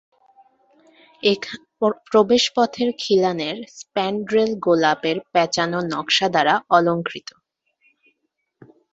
প্রবেশপথের খিলানের স্প্যানড্রেল গোলাপের প্যাঁচানো নকশা দ্বারা অলঙ্কৃত।